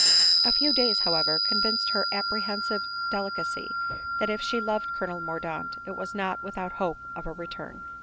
A few days, however, convinced her apprehensive de licacy, that if she loved Colonel Mordaunt, it was not without hope of a return.